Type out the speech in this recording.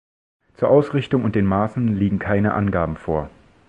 Zur Ausrichtung und den Maßen liegen keine Angaben vor.